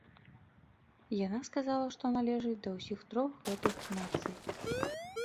Яна сказала, што належыць да ўсіх трох гэтых нацый.